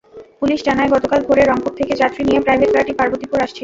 Police জানায়, গতকাল ভোরে রংপুর থেকে যাত্রী নিয়ে প্রাইভেটকারটি পার্বতীপুর আসছিল।